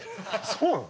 そうなの？